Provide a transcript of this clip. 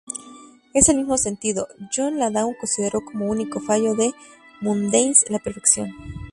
En el mismo sentido, Jon Landau consideró como único fallo de "Moondance" la perfección.